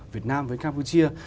việt nam với campuchia